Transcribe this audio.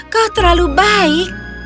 kau terlalu baik